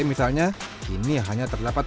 misalnya ini hanya terdapat